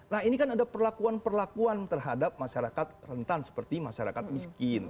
nah ini kan ada perlakuan perlakuan terhadap masyarakat rentan seperti masyarakat miskin